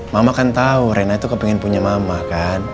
mama kan tahu rena itu kepengen punya mama kan